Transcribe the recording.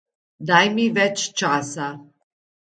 Daj mi več časa.